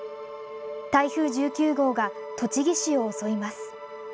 台風１９号が栃木市を襲います。